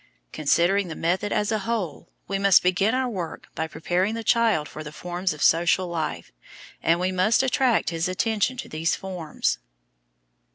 Considering the method as a whole, we must begin our work by preparing the child for the forms of social life, and we must attract his attention to these forms.